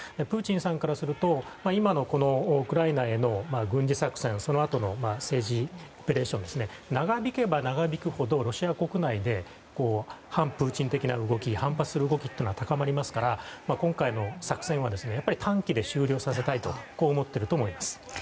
プーチンさんからすると今のウクライナへの軍事作戦そのあとの政治オペレーションが長引けば長引くほどロシア国内で反プーチン的な動き反発的な動きが高まりますから今回の作戦は短期で終了させたいと思っていると思います。